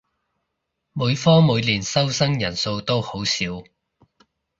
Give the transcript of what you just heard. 每科每年收生人數都好少